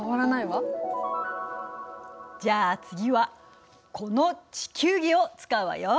じゃあ次はこの地球儀を使うわよ。